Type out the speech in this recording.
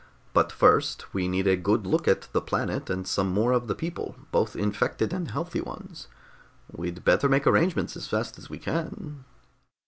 But first we need a good look at the planet and some more of the people both infected and healthy ones. We'd better make arrangements as fast as we can."